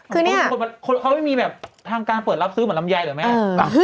เขาไม่มีแบบทางการเปิดรับซื้อเหมือนลำไยหรอไหม